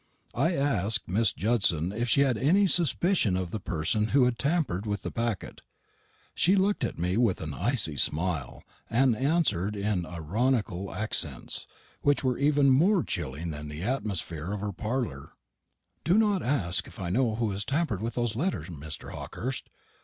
I asked Miss Judson if she had any suspicion of the person who had tampered with the packet. She looked at me with an icy smile, and answered in ironical accents, which were even more chilling than the atmosphere of her parlour, "Do not ask if I know who has tampered with those letters, Mr. Hawkehurst.